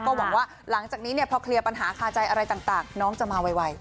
หวังว่าหลังจากนี้พอเคลียร์ปัญหาคาใจอะไรต่างน้องจะมาไว